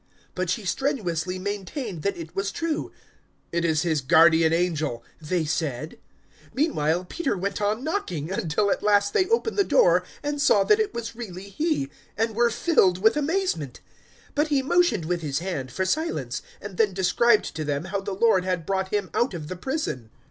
But she strenuously maintained that it was true. "It is his guardian angel," they said. 012:016 Meanwhile Peter went on knocking, until at last they opened the door and saw that it was really he, and were filled with amazement. 012:017 But he motioned with his hand for silence, and then described to them how the Lord had brought him out of the prison.